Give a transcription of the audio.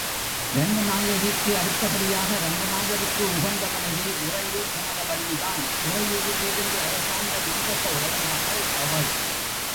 ரங்கநாயகிக்கு அடுத்த படியாக ரங்கநாதருக்கு உகந்த மனைவி உறையூர் கமலவல்லிதான், உறையூரிலிருந்து அரசாண்ட நந்தசோழன் மகள் அவள்.